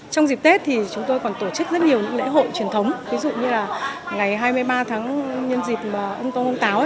trong dịp tết thì chúng tôi còn tổ chức rất nhiều những lễ hội truyền thống ví dụ như là ngày hai mươi ba tháng nhân dịp ông tôn ông táo